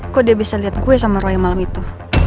kok dia bisa lihat gue sama roy malam itu